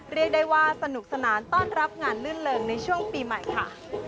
เรียกได้ว่าสนุกสนานต้อนรับงานลื่นเริงในช่วงปีใหม่ค่ะ